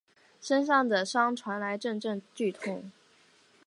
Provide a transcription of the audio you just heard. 身上的伤传来阵阵剧痛